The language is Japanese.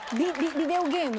ビデオゲーム。